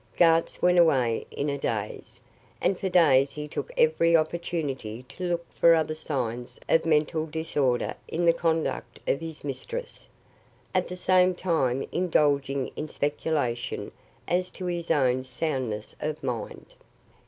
Gartz went away in a daze, and for days he took every opportunity to look for other signs of mental disorder in the conduct of his mistress, at the same time indulging in speculation as to his own soundness of mind.